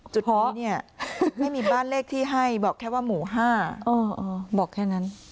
จุดทูนี้ไม่มีบ้านเลขที่ให้บอกแค่ว่าหมู่ห้าอ๋ออ๋อบอกแค่นั้น